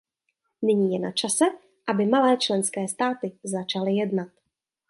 Nyní je načase, aby malé členské státy začaly jednat.